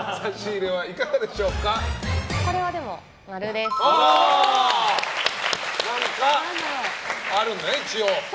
でも、これは○です。何かあるんだね、一応。